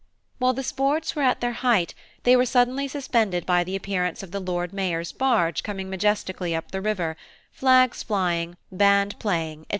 While the sports were at their height, they were suddenly suspended by the appearance of the Lord Mayor's barge coming majestically up the River, flags flying, band playing, &c.